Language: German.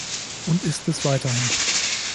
Und ist es weiterhin!